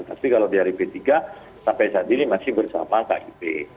tapi kalau dari p tiga sampai saat ini masih bersama kib